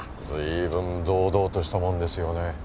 ずいぶん堂々としたもんですよね。